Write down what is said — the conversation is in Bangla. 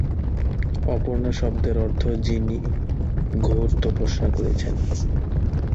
অপর্ণা শব্দের অর্থ, যিনি ঘোর তপস্যা করেছেন।